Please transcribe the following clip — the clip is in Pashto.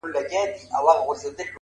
يو زرو اوه واري مي ښكل كړلې;